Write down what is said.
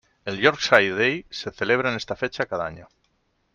El Yorkshire Day se celebra en esta fecha cada año.